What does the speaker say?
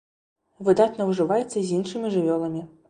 Выдатна ўжываецца з іншымі жывёламі.